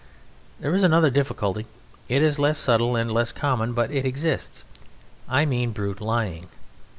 There is another difficulty. It is less subtle and less common, but it exists. I mean brute lying.